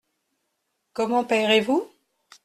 Comment payerez-vous ?